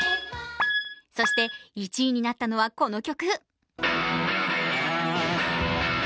そして１位になったのはこの曲。